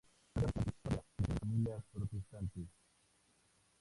Nació en Landshut, Baviera, en el seno de una familia protestante.